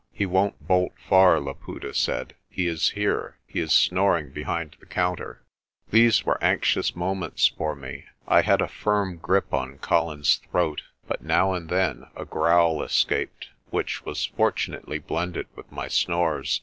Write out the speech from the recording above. "He won't bolt far," Laputa said. "He is here. He is snoring behind the counter." THE STORE AT UMVELOS' 123 These were anxious moments for me. I had a firm grip on Colin's throat, but now and then a growl escaped, which was fortunately blended with my snores.